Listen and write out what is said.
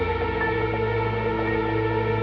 aku sudah berhenti